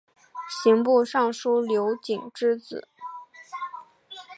刑部尚书刘璟之子。